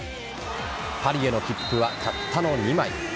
パリへの切符はたったの２枚。